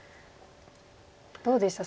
どうでした？